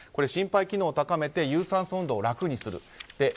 心肺機能を高めて有酸素運動を楽にする。